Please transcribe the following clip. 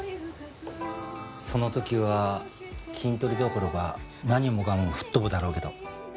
その時はキントリどころか何もかも吹っ飛ぶだろうけど。